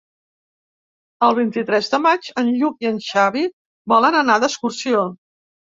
El vint-i-tres de maig en Lluc i en Xavi volen anar d'excursió.